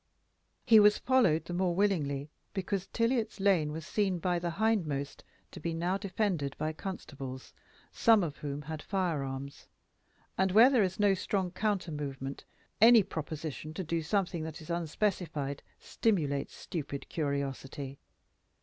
He was followed the more willingly, because Tiliot's lane was seen by the hindmost to be now defended by constables, some of whom had firearms; and where there is no strong counter movement, any proposition to do something that is unspecified stimulates stupid curiosity.